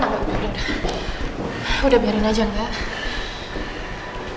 nggak udah biarin aja kak